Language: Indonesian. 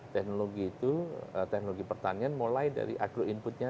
teknologi itu teknologi pertanian mulai dari agro inputnya